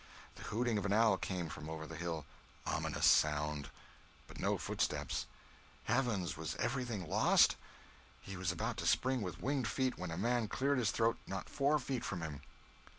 The hooting of an owl came over the hill—ominous sound! But no footsteps. Heavens, was everything lost! He was about to spring with winged feet, when a man cleared his throat not four feet from him!